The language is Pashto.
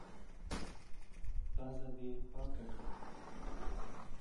پزه دي پاکه کړه!